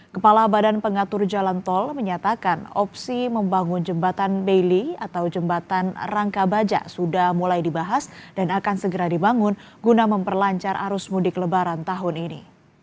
kepala badan pengatur jalan tol menyatakan opsi membangun jembatan bailey atau jembatan rangka baja sudah mulai dibahas dan akan segera dibangun guna memperlancar arus mudik lebaran tahun ini